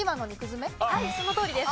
はいそのとおりです。